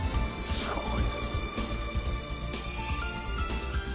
すごい。